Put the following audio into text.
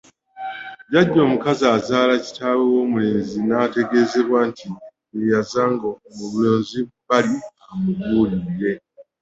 Jjajja omukazi azaala kitaawe w’omulenzi nnategeezebwa nti ye yazzanga omulenzi ku bbali amubuulirire.